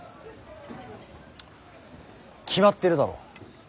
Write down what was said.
決まってるだろ。